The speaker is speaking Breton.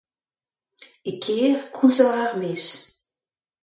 E kêr koulz ha war ar maez.